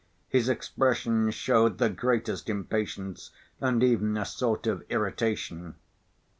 His expression showed the greatest impatience and even a sort of irritation.